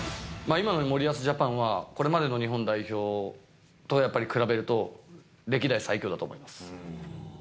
今の森保ジャパンは、これまでの日本代表とやっぱり比べると、歴代最強だと思います。